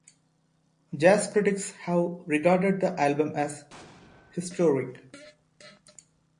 Jazz critics have regarded the album as historic.